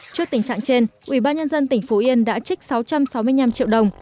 trước tình trạng trên ubnd tỉnh phú yên đã trích sáu trăm sáu mươi năm triệu đồng